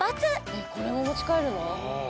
えこれも持ち帰るの？